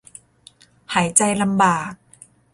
หายใจลำบาก